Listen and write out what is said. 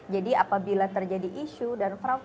jadi apabila terjadi isu dan fraud